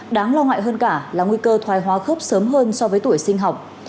đáng lo ngại hơn cả là nguy cơ thoai hóa khớp sớm hơn so với tuổi sinh học